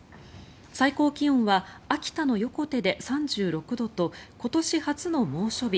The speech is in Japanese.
最高気温は秋田の横手で３６度と今年初の猛暑日